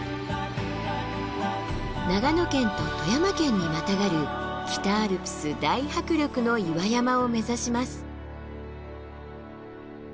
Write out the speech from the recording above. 長野県と富山県にまたがる北アルプス大迫力の岩山を目指します。